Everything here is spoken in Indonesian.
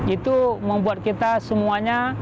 itu membuat kita semuanya